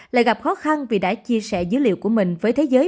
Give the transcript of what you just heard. lại gặp khó khăn vì đã chia sẻ dữ liệu của mình với thế giới